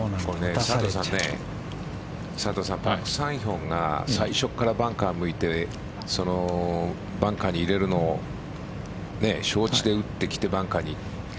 佐藤さん、パク・サンヒョンが最初からバンカーを向いてバンカーに入れるのを承知で打ってきてバンカーに。